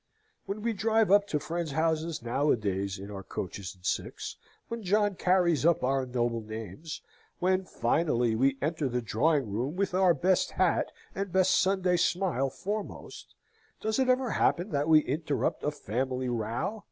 When we drive up to friends' houses nowadays in our coaches and six, when John carries up our noble names, when, finally, we enter the drawing room with our best hat and best Sunday smile foremost, does it ever happen that we interrupt a family row!